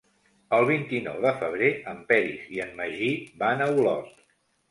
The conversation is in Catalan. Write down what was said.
El vint-i-nou de febrer en Peris i en Magí van a Olot.